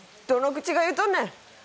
どの口が言うとんねん！